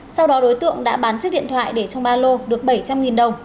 sau đó đối tượng đã bán chiếc điện thoại để trong ba lô được bảy trăm linh đồng